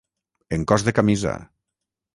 En cos de camisa.